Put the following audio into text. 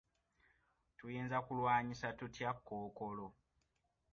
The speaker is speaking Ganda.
Tuyinza kulwanyisa tutya kkookolo?